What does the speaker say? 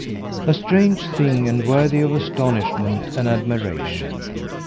A strange thing, and worthy of astonishment and admiration!